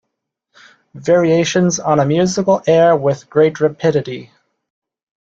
Variations on a musical air With great rapidity.